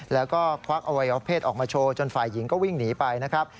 แล้วก็ควักอวัยวะเพศออกมาโชว์จนฝ่ายหญิงก็วิ่งหนีไปนะครับ